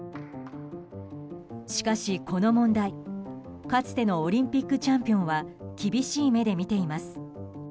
しかしこの問題、かつてのオリンピックチャンピオンは厳しい目で見ています。